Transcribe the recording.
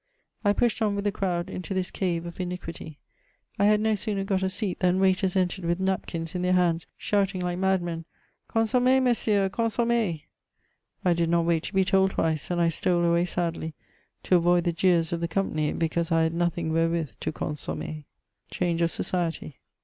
I pushed on with the crowd into this cave of iniquity : I had no sooner got a seat, than waiters entered with napkins in their hands — shouting like madmen, " Consom7nez, Messieurs, consom mez /" I did not wait to be told twice, and I stole away sadly, to avoid the jeers of the company, because I had nothing wherewith to consommer. CHANGE OF SOCIETY.